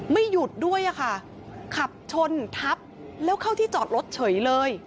ไม่หยุดด้วยอะค่ะขับชนทับแล้วเข้าที่จอดรถเฉยเลย